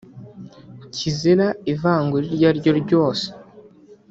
kizira ivangura iryo ari ryo ryose